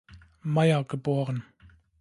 Meyer" geboren.